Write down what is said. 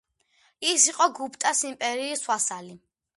ის იყო გუპტას იმპერიის ვასალი.